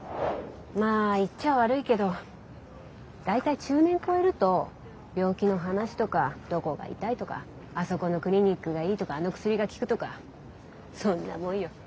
まあ言っちゃ悪いけど大体中年超えると病気の話とかどこが痛いとかあそこのクリニックがいいとかあの薬が効くとかそんなもんよ。